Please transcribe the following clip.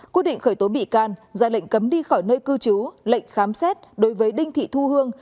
quyết định khởi tố bị can ra lệnh cấm đi khỏi nơi cư trú lệnh khám xét đối với đinh thị thu hương